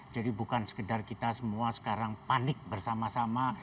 jadi bukan sekedar kita semua sekarang panik bersama sama